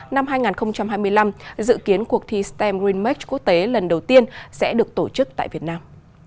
năm hai nghìn hai mươi năm dự kiến cuộc thi stem green max quốc tế lần đầu tiên sẽ được tổ chức tại việt nam